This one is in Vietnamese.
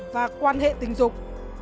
và quan hệ tình dục